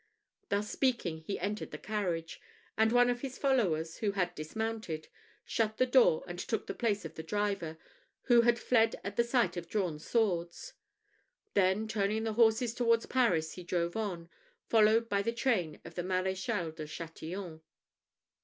Thus speaking, he entered the carriage; and one of his followers, who had dismounted, shut the door and took the place of the driver, who had fled at the sight of drawn swords. Then turning the horses towards Paris, he drove on, followed by the train of the Maréchal de Chatillon.